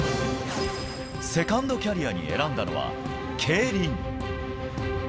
セカンドキャリアに選んだのは、競輪。